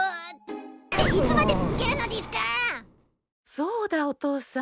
そうだお父さん。